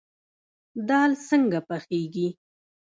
دال څنګه پخیږي؟